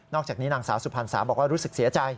จากนี้นางสาวสุพรรณสาบอกว่ารู้สึกเสียใจ